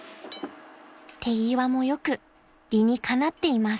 ［手際も良く理にかなっています］